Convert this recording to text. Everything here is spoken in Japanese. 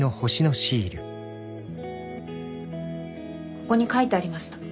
ここに書いてありました。